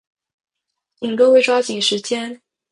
请各位抓紧时间。